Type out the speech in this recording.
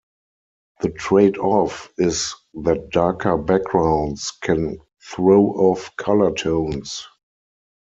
The trade-off is that darker backgrounds can throw off color tones.